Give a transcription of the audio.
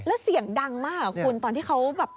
แล้วเสียงดังมากอ่ะคุณตอนที่เขาแบบ